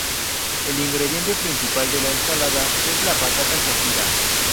El ingrediente principal de la ensalada es la patata cocida.